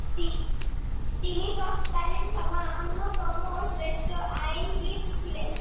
তিনি তৎকালীন সময়ের অন্যতম শ্রেষ্ঠ আইনবিদ ছিলেন।